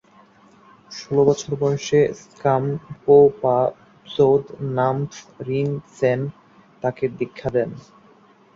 ষোল বছর বয়সে স্গাম-পো-পা-ব্সোদ-নাম্স-রিন-ছেন তাকে দীক্ষা দেন।